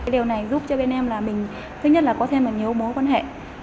điều này giúp cho bên em là mình thứ nhất là có thêm nhiều mối quan hệ